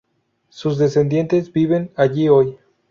Sus descendientes viven allí hoy.